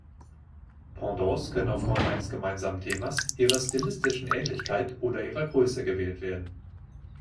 Pendants können aufgrund eines gemeinsamen Themas, ihrer stilistischen Ähnlichkeit oder ihrer Größe gewählt werden.